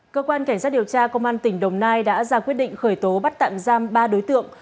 cơ quan cảnh sát điều tra công an tỉnh đồng nai đã ra quyết định khởi tố bắt tạm giam ba đối tượng